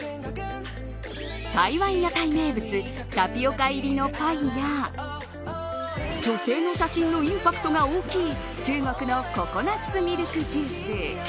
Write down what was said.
台湾屋台名物タピオカ入りのパイや女性の写真のインパクトが大きい中国のココナッツミルクジュース。